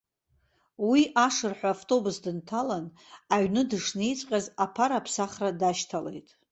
Уи ашырҳәа автобус дынҭалан, аҩны дышнеиҵәҟьаз аԥара аԥсахра дашьҭалеит.